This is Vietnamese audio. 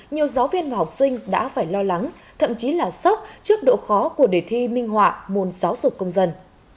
nhiều giáo viên và học sinh đã phải lo lắng thậm chí là sốc trước độ khó của đề thi minh họa môn giáo dục công dân